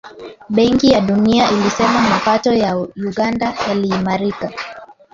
Benki ya Dunia ilisema mapato ya Uganda yaliimarika